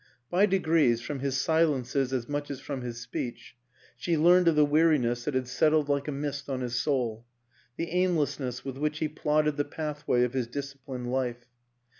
By degrees, from his silences as much as from his speech, she learned of the weariness that had set tled like a mist on his soul, the aimlessness with which he plodded the pathway of his disciplined life.